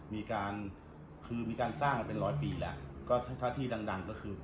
มีการสร้างเป็นร้อยปีแล้วถ้าที่ดังก็คือ